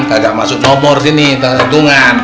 kagak masuk nomor sini tangan tangan